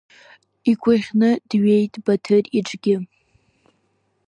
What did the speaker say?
Игәаӷьны дҩеит Баҭыр иҿгьы.